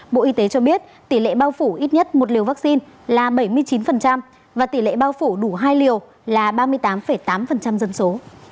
bộ y tế cho biết tỷ lệ bao phủ ít nhất một liều vaccine là bảy mươi chín và tỷ lệ bao phủ đủ hai liều là ba mươi tám tám dân số